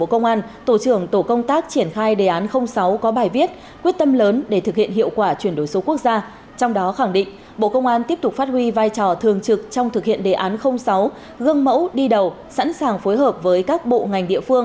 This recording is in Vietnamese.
các bạn hãy đăng ký kênh để ủng hộ kênh của chúng mình nhé